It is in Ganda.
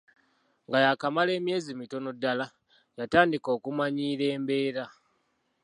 Nga yakamala emyezi mitono ddala, y’atandika okumanyiira embeera.